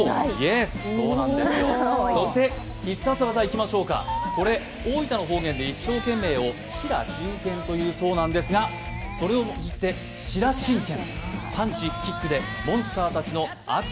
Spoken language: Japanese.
そして必殺技いきましょうか、これ、大分の方言で一生懸命をしらしんけんというんだそうですがそれをもじって、真羅神拳。